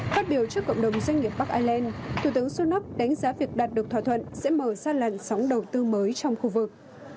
phát biểu trước cộng đồng doanh nghiệp bắc ireland thủ tướng sunak đánh giá việc đạt được thỏa thuận sẽ mở ra làn sóng đầu tư mới trong khu vực